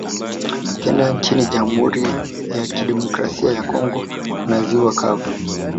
Tukienda nchini Jamhuri ya Kidemokrasia ya Congo kuna ziwa Kivu